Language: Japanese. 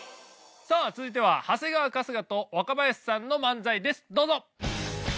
さあ続いては長谷川春日と若林さんの漫才ですどうぞ！